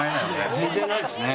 全然ないですね。